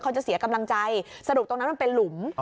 เสียกำลังใจสรุปตรงนั้นมันเป็นหลุม